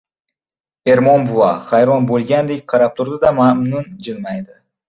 Ermon buva hayron bo‘lgandek qarab turadi-da, mamnun jilmayadi: